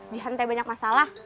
jihante banyak masalah